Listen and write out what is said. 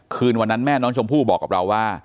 คืนวันนั้นแม่น้องชมพู่บอกกับเราว่า